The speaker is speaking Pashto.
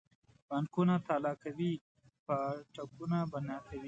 بانکونه تالا کوي پاټکونه بنا کوي.